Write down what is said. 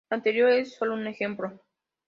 Lo anterior es solo un ejemplo.